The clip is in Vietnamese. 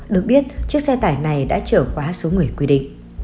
được biết chiếc xe tải này đã trở quá số người quy định